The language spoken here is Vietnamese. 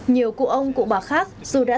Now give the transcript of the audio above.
nhiều cụ ông cụ bà khác dù đã tám mươi chín mươi tuổi